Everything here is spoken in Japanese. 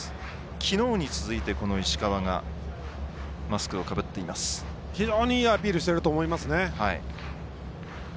きのうに続いて、この石川が非常にいいアピールをしていると思いますね。